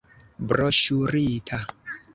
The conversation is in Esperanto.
Broŝurita.